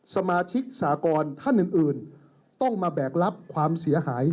สมาชิกสากรท่านอื่นต้องมาแบกรับความเสียหาย